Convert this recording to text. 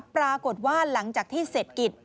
ปรากฏว่าหลังจากที่เศรษฐกิจ